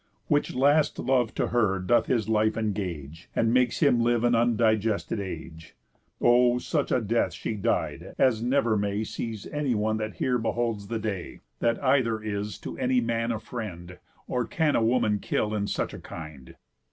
Which last love to her doth his life engage, And makes him live an undigested age. O! such a death she died as never may Seize anyone that here beholds the day, That either is to any man a friend, Or can a woman kill in such a kind.